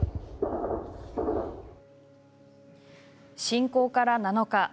侵攻から７日。